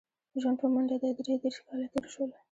ژوند په منډه دی درې دېرش کاله تېر شول.